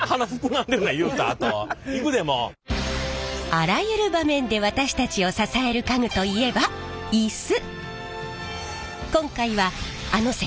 あらゆる場面で私たちを支える家具といえばイス。